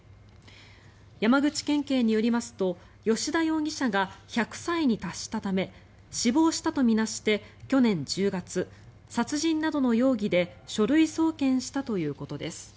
山口県警によりますと吉田容疑者が１００歳に達したため死亡したと見なして去年１０月、殺人などの容疑で書類送検したということです。